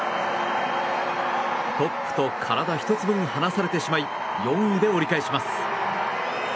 トップと体１つ分離されてしまい４位で折り返します。